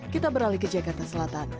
kita beralih ke jakarta selatan